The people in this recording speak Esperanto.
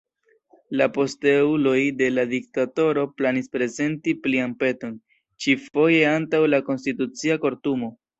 La posteuloj de la diktatoro planis prezenti plian peton, ĉi-foje antaŭ la Konstitucia Kortumo.